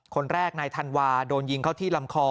คนแรกนายธันวาโดนยิงเข้าที่ลำคอ